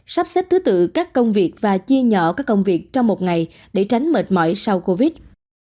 sắp xếp thứ tự các công việc và chia nhỏ các công việc trong một ngày để tránh mệt mỏi sau covid